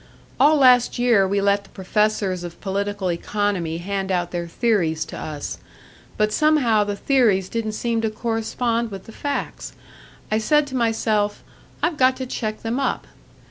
"All last year we let the professors of political economy hand out their theories to us. But somehow the theories didn't seem to correspond with the facts. I said to myself, 'I've got to check them up.'